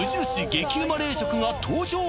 激ウマ冷食が登場！